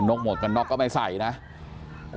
อยากจะเลิกเนี่ยเหรอค่ะ